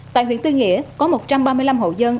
tại huyện tư nghĩa có một trăm ba mươi năm hộ dân